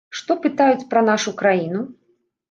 Што пытаюць пра нашу краіну?